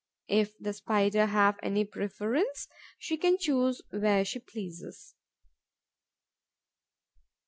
If the Spider have any preference, she can choose where she pleases.